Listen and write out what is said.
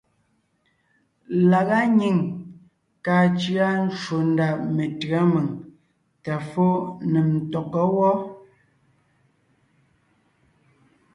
Lagá nyìŋ kàa cʉa ncwò ndá metʉ̌a mèŋ tà fó nèm ntɔgɔ́ wɔ́.